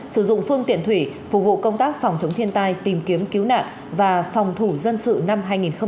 sử dụng phương tiện thủy phục vụ công tác phòng chống thiên tai tìm kiếm cứu nạn và phòng thủ dân sự năm hai nghìn một mươi chín